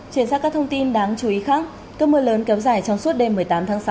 chuyển sang các thông tin đáng chú ý khác cơn mưa lớn kéo dài trong suốt đêm một mươi tám tháng sáu